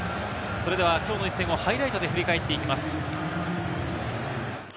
きょうの一戦をハイライトで振り返っていきます。